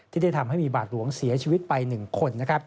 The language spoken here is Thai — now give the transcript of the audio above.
ที่ได้ทำให้มีบาทหลวงเสียชีวิตไป๑คน